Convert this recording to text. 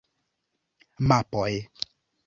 Mapoj!